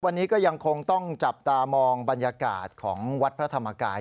วันนี้ก็ยังคงต้องจับตามองบรรยากาศของวัดพระธรรมกาย